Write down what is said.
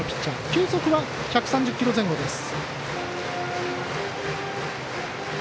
球速は１３０キロ前後です。